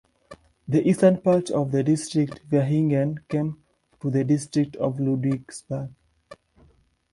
The eastern part of the district Vaihingen came to the district of Ludwigsburg.